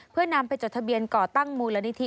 เพื่อนำไปจดทะเบียนก่อตั้งมูลนิธิ